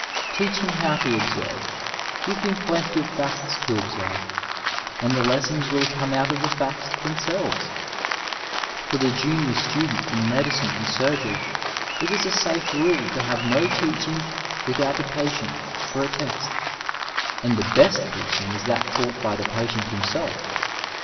Teach him how to observe, give him plenty of facts to observe, and the lessons will come out of the facts themselves. For the junior student in medicine 881 Digitized by Google THE HOSPITAL AS A COLLBQE and stirgery it is a safe rale to have no teaching without a patient for a text, and the best teaching is that taught by the patient himself.